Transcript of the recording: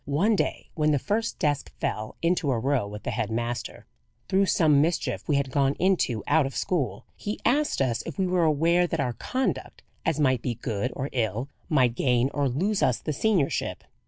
One day, when the first desk fell into a row with the head master, through some mischief we had gone into out of school, he asked us if we were aware that our conduct, as it might be good or ill, might gain or lose us the seniorship.